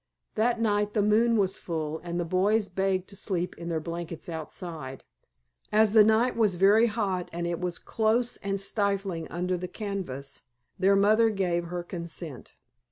That night the moon was full, and the boys begged to sleep in their blankets outside. As the night was very hot and it was close and stifling under the canvas their mother gave her consent.